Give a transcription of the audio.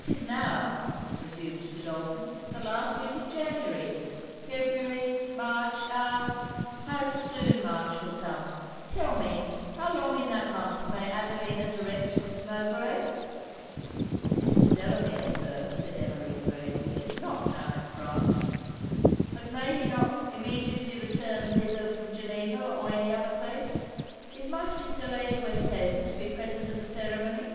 'Tis now,' reassumed Godolphin, 'the last week of January February March ah! how soon March will come! Tell me, how long in that month may Adelina direct to Miss Mowbray?' 'Mr. Delamere, Sir,' said Emmeline, gravely, 'is not now in France.' 'But may he not immediately return thither from Geneva or any other place? Is my sister, Lady Westhaven, to be present at the ceremony?'